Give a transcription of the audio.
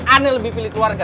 aneh lebih pilih keluarga